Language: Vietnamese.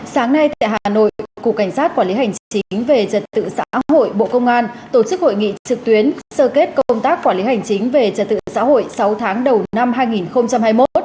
sáng nay tại hà nội cục cảnh sát quản lý hành chính về trật tự xã hội bộ công an tổ chức hội nghị trực tuyến sơ kết công tác quản lý hành chính về trật tự xã hội sáu tháng đầu năm hai nghìn hai mươi một